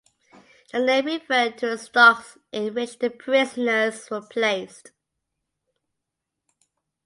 The name referred to the stocks in which the prisoners were placed.